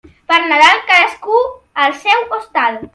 Per Nadal, cadascú al seu hostal.